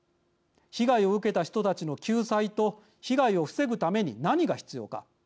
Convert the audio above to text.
被害を受けた人たちの救済と被害を防ぐために何が必要か。